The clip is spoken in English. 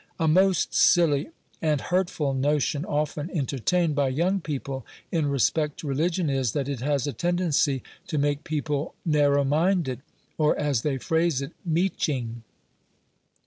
A most silly and hurtful notion, often entertained by young people in respect to religion, is, that it has a tendency to make people narrow minded, or, as they phrase it, meeching.